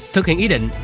thực hiện ý định